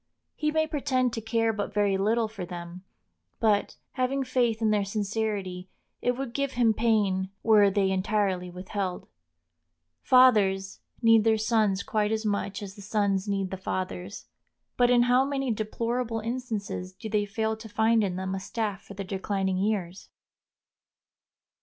He may pretend to care but very little for them; but, having faith in their sincerity, it would give him pain were they entirely withheld. Fathers need their sons quite as much as the sons need the fathers; but in how many deplorable instances do they fail to find in them a staff for their declining years!